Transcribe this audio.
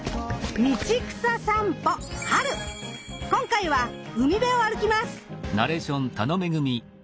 今回は海辺を歩きます。